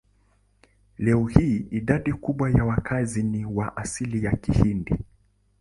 Leo hii idadi kubwa ya wakazi ni wa asili ya Kihindi.